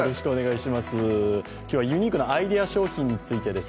今日はユニークなアイデア商品についてです。